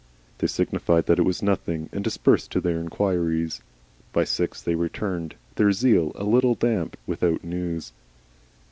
They signified that it was nothing, and dispersed to their inquiries. By six they returned, their zeal a little damped, without news.